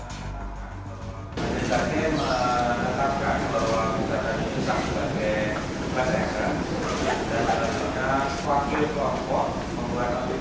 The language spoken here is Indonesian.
dan dalam sidangnya wakil kelompok membuat obat dikasih